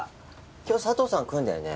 今日佐藤さん来るんだよね？